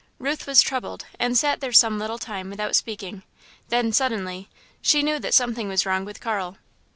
Ruth was troubled and sat there some little time without speaking, then suddenly, she knew that something was wrong with Carl.